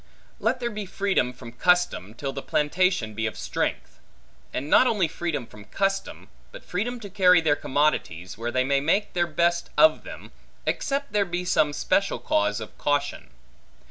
Let there be freedom from custom, till the plantation be of strength; and not only freedom from custom, but freedom to carry their commodities, where they may make their best of them, except there be some special cause of caution.